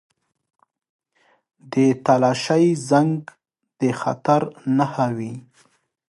• د تالاشۍ زنګ د خطر نښه وي.